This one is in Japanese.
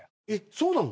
そうなの？